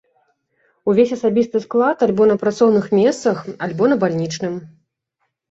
Увесь асабісты склад альбо на працоўных месцах, альбо на бальнічным.